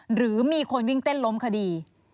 หรือมีคนวิ่งเต้นล้มคดี